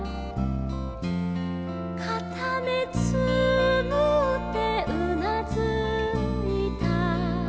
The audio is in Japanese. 「かためつむってうなずいた」